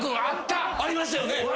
ありましたよね？